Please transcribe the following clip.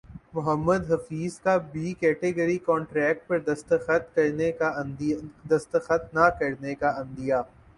محمد حفیظ کا B category contract پر دستخط نہ کرنےکا عندیہ